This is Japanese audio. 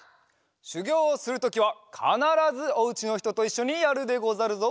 しゅぎょうをするときはかならずおうちのひとといっしょにやるでござるぞ。